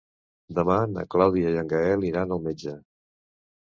Demà na Clàudia i en Gaël iran al metge.